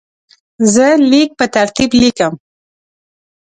زه لیک په ترتیب لیکم.